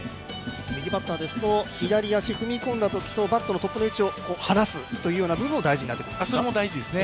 右バッターですと、左足を踏み込んだときと、バットのトップの位置を離すという部分も大事になってくるんですか？